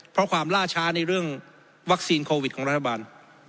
เพราะความล่าช้าในเรื่องวัคซีนโควิดของรัฐบาล